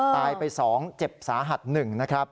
ตายไป๒เจ็บสาหัส๑นะครับ